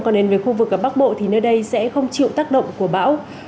còn đến với khu vực ở bắc bộ thì nơi đây sẽ không chịu tác động của bão